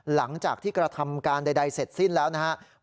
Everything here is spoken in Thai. หลังจากที่กระทำการใดเสร็จสิ้นแล้วนะครับ